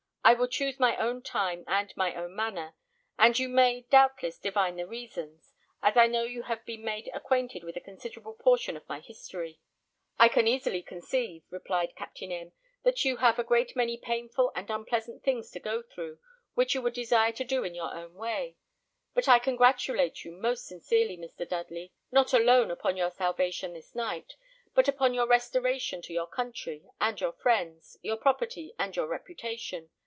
I will choose my own time and my own manner; and you may, doubtless, divine the reasons, as I know you have been made acquainted with a considerable portion of my history." "I can easily conceive," replied Captain M , "that you have a great many painful and unpleasant things to go through, which you would desire to do in your own way; but I congratulate you most sincerely, Mr. Dudley, not alone upon your salvation this night, but upon your restoration to your country and your friends, your property and your reputation.